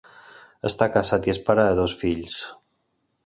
Està casat i és pare de dos fills.